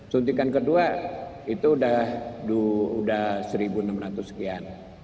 suntikan kedua itu sudah seribu enam ratus sekian